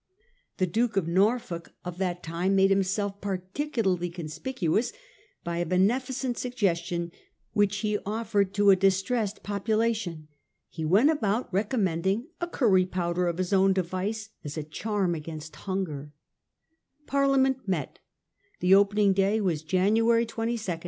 The Duke of Norfolk of that time made himself particularly conspicuous by a beneficent sug gestion which he offered to a distressed population. He went about recommending a curry powder of his own device as a charm against hunger. Parliament met. The opening day was January 22, 1846.